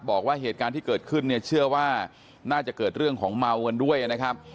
บอกว่าเหตุการณ์ที่เกิดขึ้นเนี่ยเชื่อว่าน่าจะเกิดเรื่องของเมากันด้วยนะครับ